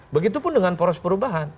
begitupun dengan poros perubahan